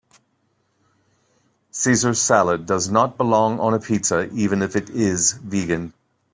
Caesar salad does not belong on a pizza even if it is vegan.